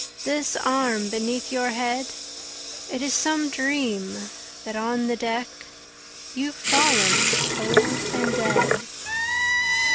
This arm beneath your head! It is some dream that on the deck, You've fallen cold and dead.